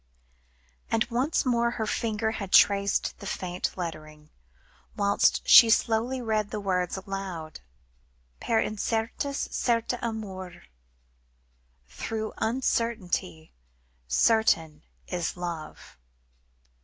And once more her fingers had traced the faint lettering, whilst she slowly read the words aloud. "Per incertas, certa amor." (Through uncertainty, certain is love.)